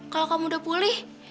kalau kamu udah pulih